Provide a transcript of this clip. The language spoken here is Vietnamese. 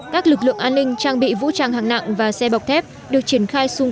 các lực lượng an ninh trang bị vũ trang hạng nặng và xe bọc thép được triển khai xung